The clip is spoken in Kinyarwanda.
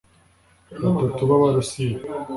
batatu b’Abarusiya